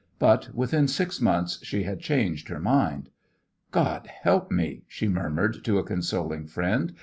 But within six months she had changed her mind. "God help me!" she murmured to a consoling friend.